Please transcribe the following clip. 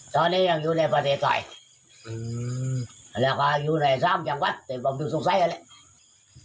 ตอนนี้ยังอยู่ในประเทศไทยและก็อยู่ในสามจังหวัดแต่ปุ๊บดูสุขใส่เลย